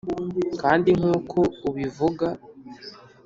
kandi nkuko ubivuga